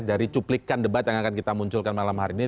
dari cuplikan debat yang akan kita munculkan malam hari ini